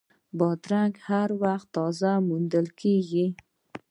بادرنګ هر وخت تازه موندل کېږي.